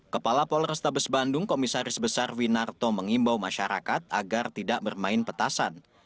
kepala polrestabes bandung komisaris besar winarto mengimbau masyarakat agar tidak bermain petasan